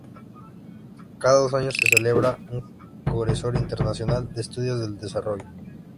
Cada dos años se celebra un Congreso Internacional de Estudios del Desarrollo.